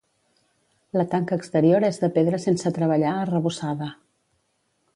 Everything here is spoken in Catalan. La tanca exterior és de pedra sense treballar arrebossada.